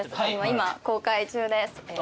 今公開中です。